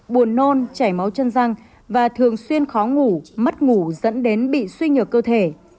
buồn nôn chảy máu chân răng và thường xuyên khó ngủ mất ngủ dẫn đến bị suy nhờ cơ thể